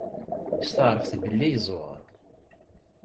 Setɛerfet belli yeẓwer.